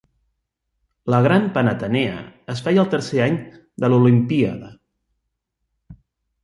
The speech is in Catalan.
La Gran Panatenea es feia al tercer any de l'olimpíada.